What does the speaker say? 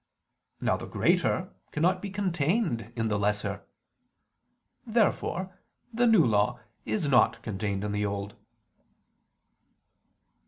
Now the greater cannot be contained in the lesser. Therefore the New Law is not contained in the Old.